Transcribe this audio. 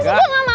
gue gak mau